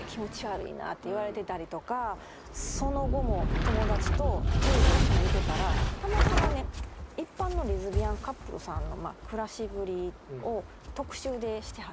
その後も友達とテレビを一緒に見てたらたまたまね一般のレズビアンカップルさんの暮らしぶりを特集でしてはって。